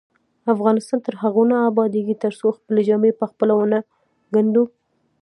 افغانستان تر هغو نه ابادیږي، ترڅو خپلې جامې پخپله ونه ګنډو.